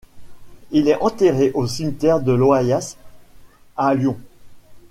Il est enterré au cimetière de Loyasse à Lyon.